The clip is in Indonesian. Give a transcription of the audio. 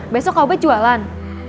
besok kau baik jualan